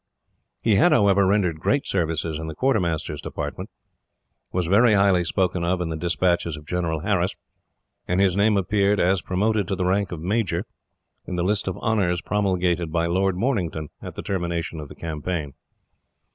He had, however, rendered great services in the quartermasters' department, was very highly spoken of in the despatches of General Harris, and his name appeared, as promoted to the rank of major, in the list of honours promulgated by Lord Mornington, at the termination of the campaign.